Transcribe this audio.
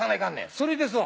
それですわ。